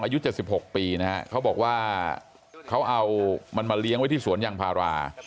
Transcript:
อายุ๗๖ปีนะฮะเขาบอกว่าเขาเอามันมาเลี้ยงไว้ที่สวนยางพารา